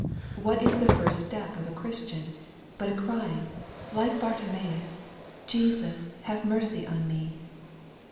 What is the first step of a Christian, but a crying, like Bartimaeus, " Jesus have mercy on me